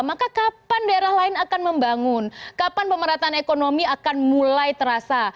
maka kapan daerah lain akan membangun kapan pemerataan ekonomi akan mulai terasa